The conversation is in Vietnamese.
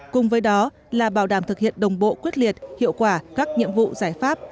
cùng với đó là bảo đảm thực hiện đồng bộ quyết liệt hiệu quả các nhiệm vụ giải pháp